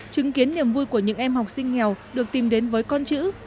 chứng kiến niềm vui của những em học sinh nghèo được tìm đến với con chữ